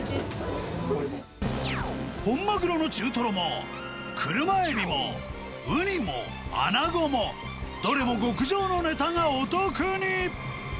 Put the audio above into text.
本マグロの中トロも、車エビも、ウニも、アナゴも、どれも極上のネタがお得に。